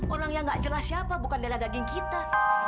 orang yang nggak jelas siapa bukan dana daging kita